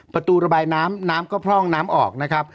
ประตูระบายน้ำน้ำก็พร่องน้ำออกนะครับ